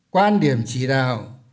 quan điểm chỉ đạo